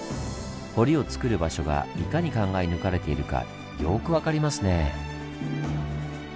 堀をつくる場所がいかに考え抜かれているかよく分かりますね。